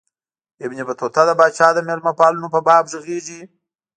ابن بطوطه د پاچا د مېلمه پالنو په باب ږغیږي.